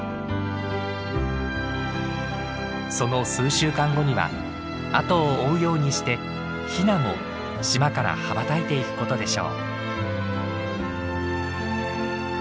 その数週間後には後を追うようにしてヒナも島から羽ばたいていくことでしょう。